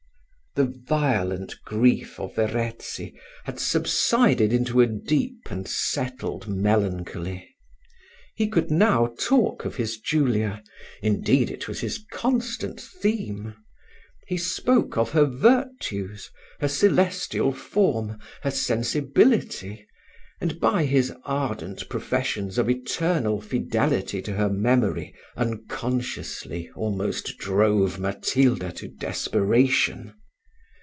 The violent grief of Verezzi had subsided into a deep and settled melancholy; he could now talk of his Julia, indeed it was his constant theme; he spoke of her virtues, her celestial form, her sensibility, and by his ardent professions of eternal fidelity to her memory, unconsciously almost drove Matilda to desperation.